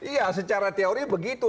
iya secara teori begitu